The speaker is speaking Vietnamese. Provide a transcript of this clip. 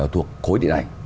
thuộc khối điện ảnh